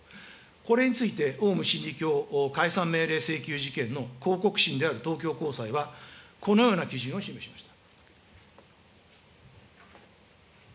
これについて、オウム真理教解散命令事件の抗告審である東京高裁は、このような基準を示しました。